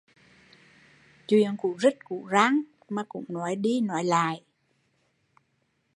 Chuyện cũ rích cũ rang mà cũng nói đi nói lại